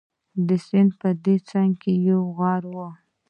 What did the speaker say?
د سیند په دې څنګ کې یو غر وو.